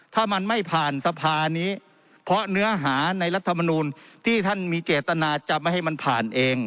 ถ้ามันไม่ผ่านสภานี้เพราะเนื้อหาในรัฐมนูลที่ท่านมีเจตนาจะไม่ให้มันผ่านเอง